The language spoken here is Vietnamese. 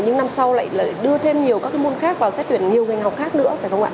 nhưng năm sau lại đưa thêm nhiều các môn khác vào xét tuyển nhiều ngành học khác nữa phải không ạ